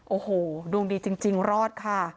โอ้โหดวงดีจริงรอดค่ะ